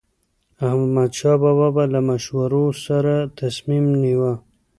احمدشاه بابا به له مشورو سره تصمیم نیوه.